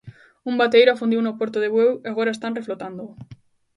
Un bateeiro afundiu no porto de Bueu e agora están reflotándoo.